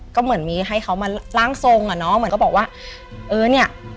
ก็เหมือนมีให้เขามาร่างทรงอ่ะเนาะเหมือนก็บอกว่าเออเนี่ย